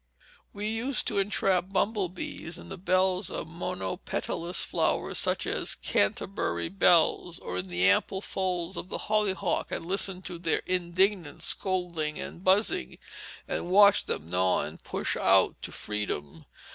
We used to entrap bumble bees in the bells of monopetalous flowers such as canterbury bells, or in the ample folds of the hollyhock, and listen to their indignant scolding and buzzing, and watch them gnaw and push out to freedom.